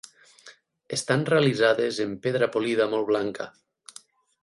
Estan realitzades en pedra polida molt blanca.